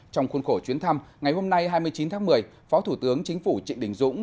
trong khuôn khổ chuyến thăm ngày hôm nay hai mươi chín tháng một mươi phó thủ tướng chính phủ trịnh đình dũng